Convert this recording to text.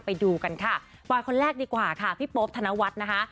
ไปดูกันค่ะปล่อยคนแรกดีกว่าค่ะพี่โป๊ปธนวัฒน์นะคะ